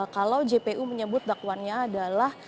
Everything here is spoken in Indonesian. kalau jpu menyebut dakwaannya adalah